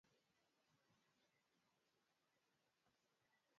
wanafunga hedhi wakiwa wamechelewa